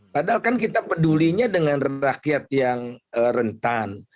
padahal kan kita pedulinya dengan rakyat yang rentan